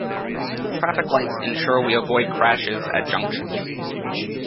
Traffic lights ensure we avoid crashes at junctions.